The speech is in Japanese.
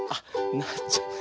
なっちゃった。